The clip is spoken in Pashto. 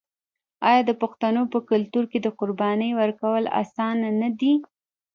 آیا د پښتنو په کلتور کې د قربانۍ ورکول اسانه نه دي؟